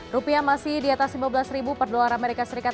rupiah masih di atas lima belas ribu per dolar amerika serikat